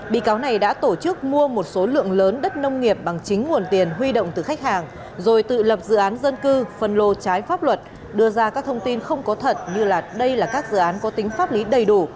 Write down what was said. bị cáo này đã tổ chức mua một số lượng lớn đất nông nghiệp bằng chính nguồn tiền huy động từ khách hàng rồi tự lập dự án dân cư phân lô trái pháp luật đưa ra các thông tin không có thật như đây là các dự án có tính pháp lý đầy đủ